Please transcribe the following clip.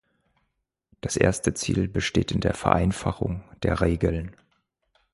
Das erste Ziel besteht in der Vereinfachung der Regeln.